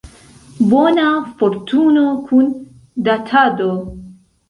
Bona fortuno kun Datado.